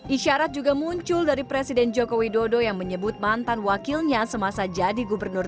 isyarat juga muncul dari presiden joko widodo yang menyebut mantan wakilnya semasa jadi gubernur